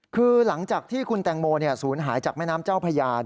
คือหลังจากที่คุณแตงโมศูนย์หายจากแม่น้ำเจ้าพญา